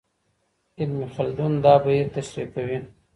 ابن خلدون دا بهير تشريح کوي.